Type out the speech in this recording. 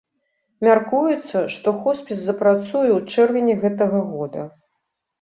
Мяркуецца, што хоспіс запрацуе ў чэрвені гэтага года.